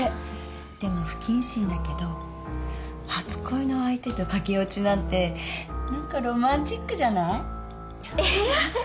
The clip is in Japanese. でも不謹慎だけど初恋の相手と駆け落ちなんて何かロマンチックじゃない？・え？